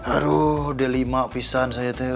aduh udah lima pisahan saya teh